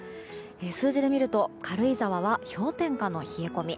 数字で見ると軽井沢は氷点下の冷え込み。